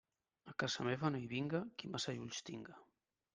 A casa meva no hi vinga qui massa ulls tinga.